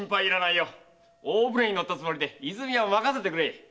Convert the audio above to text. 大船に乗ったつもりで和泉屋を任せてくれ。